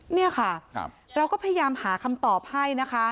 นี่ค่ะเราก็พยายามหาคำตอบให้นะคะ